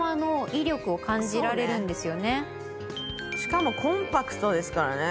しかもコンパクトですからね。